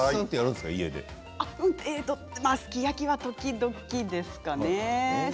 すき焼きは時々ですかね。